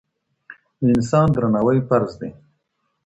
د انسان درناوی فرض دی.